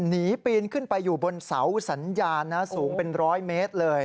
ปีนขึ้นไปอยู่บนเสาสัญญาณนะสูงเป็นร้อยเมตรเลย